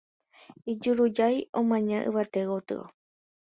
ijurujái omaña yvate gotyo